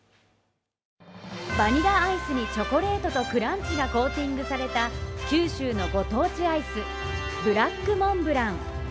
バニラアイスにチョコレートとクランチがコーティングされた九州のご当地アイス、ブラックモンブラン。